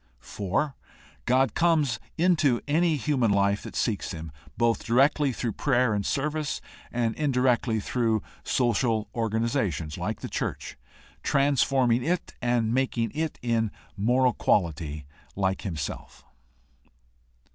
4. God comes into any human life that seeks him, both directly through prayer and service, and indirectly through social organizations like the church, transforming it and making it in moral quality like himself.